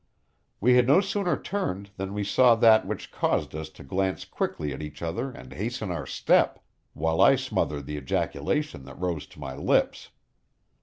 We had no sooner turned than we saw that which caused us to glance quickly at each other and hasten our step, while I smothered the ejaculation that rose to my lips.